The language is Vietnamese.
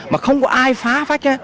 mà không có ai phá phách